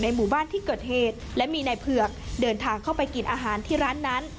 หมู่บ้านที่เกิดเหตุและมีนายเผือกเดินทางเข้าไปกินอาหารที่ร้านนั้น